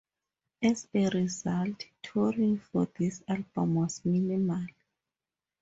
As a result, touring for this album was minimal.